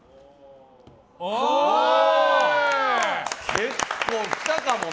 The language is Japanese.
結構、きたかもな。